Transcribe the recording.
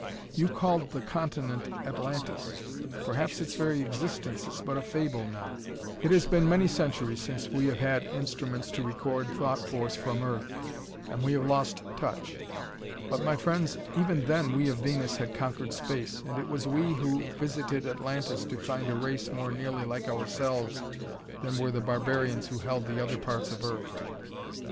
"You called the continent Atlantis. Perhaps its very existence is but a fable now: it has been many centuries since we have had instruments to record thought force from Earth, and we have lost touch. But, my friends, even then we of Venus had conquered space, and it was we who visited Atlantis to find a race more nearly like ourselves than were the barbarians who held the other parts of Earth.